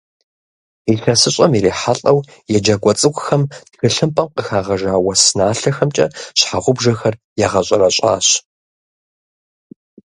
Илъэсыщӏэм ирихьэлӏэу еджакӏуэ цӏыкӏухэм тхылъымпӏэм къыхагъэжа уэс налъэхэмкӏэ щхьэгъубжэхэр ирагъэщӏэрэщӏащ.